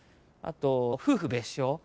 あと夫婦別床。